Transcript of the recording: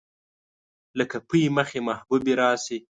لکه پۍ مخې محبوبې راشي